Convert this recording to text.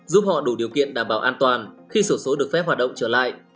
giúp họ đủ điều kiện đảm bảo an toàn khi sổ số được phép hoạt động trở lại